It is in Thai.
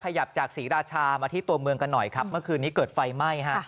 ขยับจากศรีราชามาที่ตัวเมืองกันหน่อยครับเมื่อคืนนี้เกิดไฟไหม้ฮะ